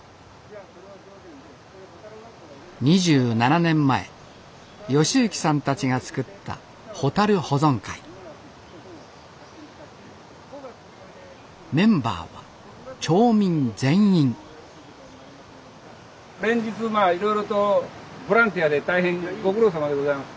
２７年前善幸さんたちが作ったホタル保存会メンバーは町民全員連日まあいろいろとボランティアで大変ご苦労さまでございます。